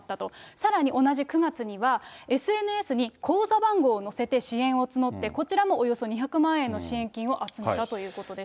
さらに同じ９月には、ＳＮＳに口座番号を載せて支援を募って、こちらもおよそ２００万円の支援金を集めたということです。